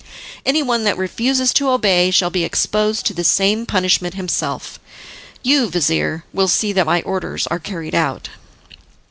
Anyone that refuses to obey shall be exposed to the same punishment himself. You, vizir, will see that my orders are carried out."